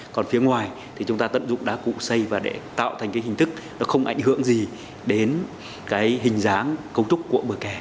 còn phía ngoài thì chúng ta tận dụng đá cụ xây và để tạo thành hình thức không ảnh hưởng gì đến hình dáng cấu trúc của bờ kè